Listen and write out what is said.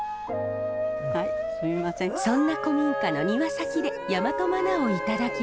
そんな古民家の庭先で大和まなをいただきます。